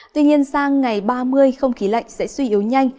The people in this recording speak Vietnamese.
tuy nhiên sang ngày ba mươi không khí lạnh sẽ suy yếu nhanh